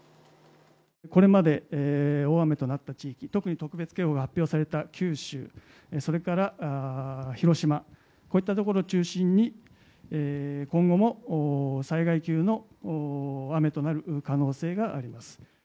これまで大雨となった地域、特に特別警報が発表された九州、それから広島、こういった所を中心に、今後も災害級の雨となる可能性があります。